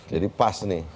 jadi pas nih